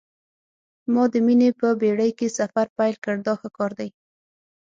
ما د مینې په بېړۍ کې سفر پیل کړ دا ښه کار دی.